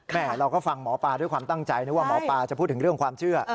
เราก็ฟังหมอปลาด้วยความตั้งใจนึกว่าหมอปลาจะพูดถึงเรื่องความเชื่อ